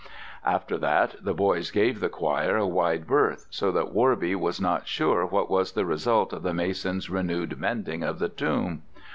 After that the boys gave the choir a wide berth, so that Worby was not sure what was the result of the mason's renewed mending of the tomb.